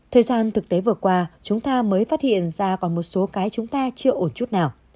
thời gian thực tế vừa qua chúng ta mới phát hiện ra còn một số cái chúng ta chưa ổn chút nào